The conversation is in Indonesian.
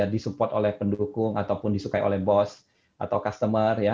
disupport oleh pendukung ataupun disukai oleh bos atau customer ya